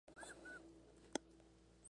Peter sugiere que ella siga su corazón.